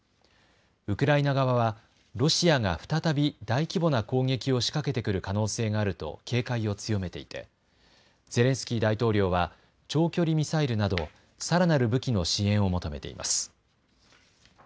ウクライナ側はロシアが再び大規模な攻撃を仕掛けてくる可能性があると警戒を強めていてゼレンスキー大統領は長距離ミサイルなど、さらなる武器の支援を求めています。